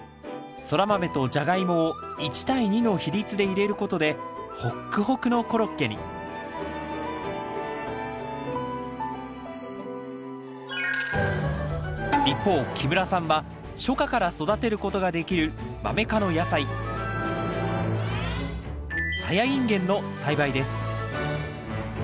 ソラマメとジャガイモを１対２の比率で入れることでホックホクのコロッケに一方木村さんは初夏から育てることができるマメ科の野菜サヤインゲンの栽培です。